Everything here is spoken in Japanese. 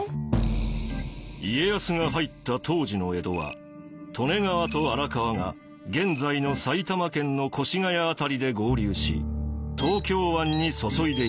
家康が入った当時の江戸は利根川と荒川が現在の埼玉県の越谷辺りで合流し東京湾に注いでいました。